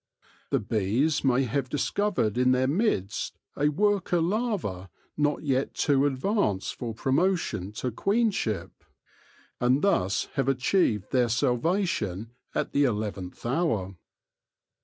The bees may have discovered in their midst a worker larva not yet too far advanced for promotion to queenship, and thus have achieved their salvation at the eleventh hour.